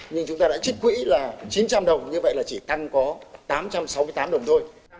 nhưng chúng ta đã trích quỹ là chín trăm linh đồng như vậy là chỉ tăng có tám trăm sáu mươi tám đồng thôi